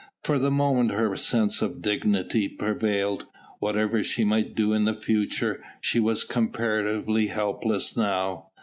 For the moment her sense of dignity prevailed. Whatever she might do in the future, she was comparatively helpless now.